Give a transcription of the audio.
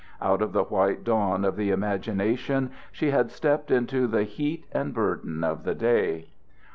Out of the white dawn of the imagination she had stepped into the heat and burden of the day.